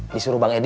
disuruh bang edi